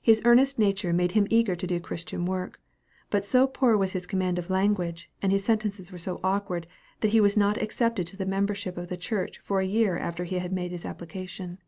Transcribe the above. His earnest nature made him eager to do Christian work; but so poor was his command of language, and his sentences were so awkward, that he was not accepted to the membership of the church for a year after he had made his application.